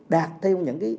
đạt theo những cái